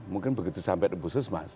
mungkin begitu sampai di pususmas